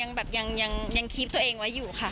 ยังแบบยังคีฟตัวเองไว้อยู่ค่ะ